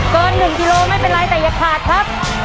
เกิน๑กิโลไม่เป็นไรแต่อย่าขาดครับ